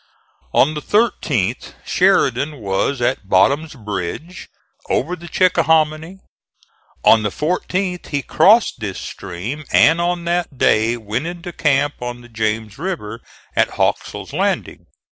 On the 13th Sheridan was at Bottom's Bridge, over the Chickahominy. On the 14th he crossed this stream and on that day went into camp on the James River at Haxall's Landing.